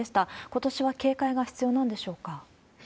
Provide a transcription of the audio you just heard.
ことしは警戒が必要なんでしょう